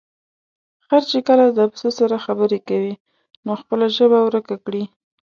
خر چې کله د پسه سره خبرې کوي، نو خپله ژبه ورکه کړي.